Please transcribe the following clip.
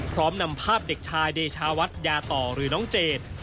นำภาพเด็กชายเดชาวัดยาต่อหรือน้องเจด